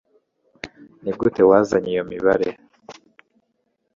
Nigute wazanye iyo mibare